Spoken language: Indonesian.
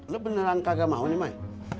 lo beneran kagak mau nih main